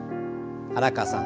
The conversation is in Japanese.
原川さん